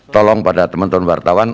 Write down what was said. tolong pada teman teman wartawan